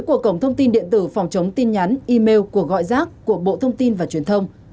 của cổng thông tin điện tử phòng chống tin nhắn email cuộc gọi rác của bộ thông tin và truyền thông